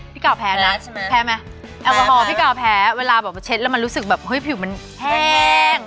พี่กาวแพ้นะใช่ไหมแพ้ไหมแอลกอฮอล์พี่เก่าแพ้เวลาแบบเช็ดแล้วมันรู้สึกแบบเฮ้ยผิวมันแห้ง